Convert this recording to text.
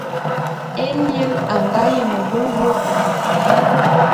Émien a nga yeme be wôk.